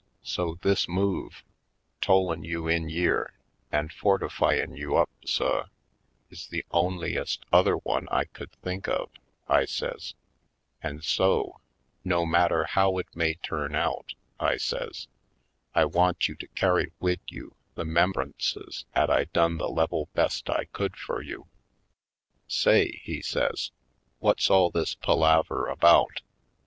So this move — tollin' you in yere an' fortif3dn' you up, suh, — is the onliest other one I could think of," I says; *'an' so, no matter how it may turn out," I says, *'I want you to carry wid you the 'membrunces 'at I done the level best I could fur you." "Say," he says, "what's all this palaver about?"